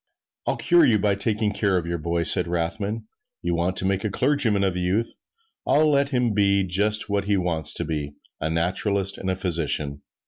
"I'll cure you, by taking charge of your boy," said Rothman; "you want to make a clergyman of the youth: I'll let him be just what he wants to be, a naturalist and a physician."